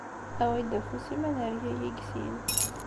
Awi-d afus-im, ad nergagi deg sin.